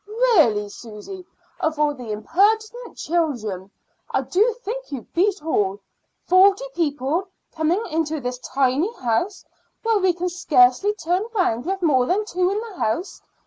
"Really, Susy, of all the impertinent children, I do think you beat all. Forty people coming into this tiny house, where we can scarcely turn round with more than two in the house!